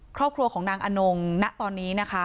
ครอบครัวของนางอนงณตอนนี้นะคะ